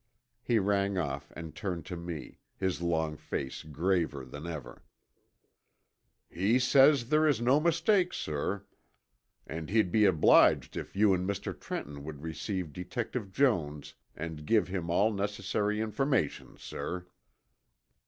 He rang off and turned to me, his long face graver than ever. "He says there is no mistake, sir. And he'd be obliged if you and Mr. Trenton would receive Detective Jones and give him all necessary information, sir."